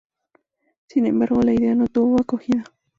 Sin embargo, la idea no tuvo acogida.